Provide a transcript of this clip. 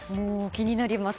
気になります。